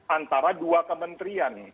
antara dua kementerian